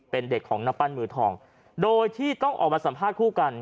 เป็นเด็กของนักปั้นมือทองโดยที่ต้องออกมาสัมภาษณ์คู่กัน